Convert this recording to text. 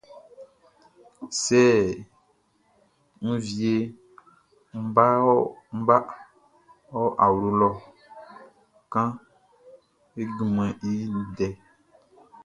Sɛ n wieʼn ń bá ɔ awlo lɔ ń kán e junmanʼn i ndɛ.